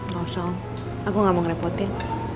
gak usah om aku gak mau ngerepotin